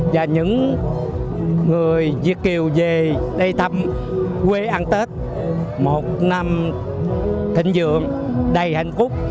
và những người việt kiều về đây tâm quê ăn tết một năm thịnh vượng đầy hạnh phúc